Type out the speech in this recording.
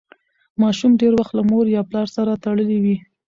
ماشوم ډېر وخت له مور یا پلار سره تړلی وي.